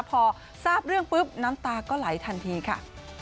พอทราบเรื่องปุ๊บน้ำตาก็ไหลทันทีค่ะ